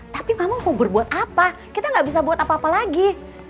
tapi kamu mau berbuat apa kita gak bisa buat apa apa lagi